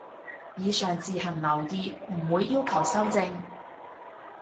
以上自行留意，唔會要求修正